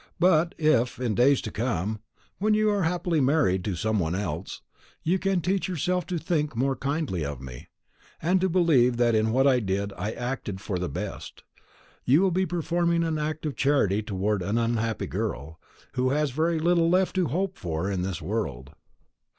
But if, in days to come, when you are happily married to some one else, you can teach yourself to think more kindly of me, and to believe that in what I did I acted for the best, you will be performing an act of charity towards a poor unhappy girl, who has very little left to hope for in this world."